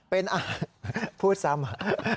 พูดซ้ำ